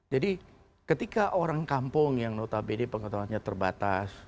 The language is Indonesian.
jadi ketika orang kampung yang notabene pengertiannya terbatas